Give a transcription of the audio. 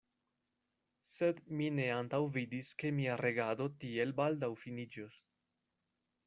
Sed mi ne antaŭvidis, ke mia regado tiel baldaŭ finiĝos.